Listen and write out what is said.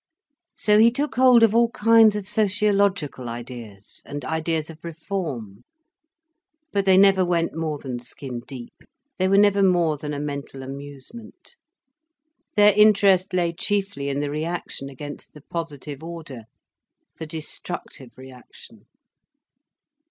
So he took hold of all kinds of sociological ideas, and ideas of reform. But they never went more than skin deep, they were never more than a mental amusement. Their interest lay chiefly in the reaction against the positive order, the destructive reaction.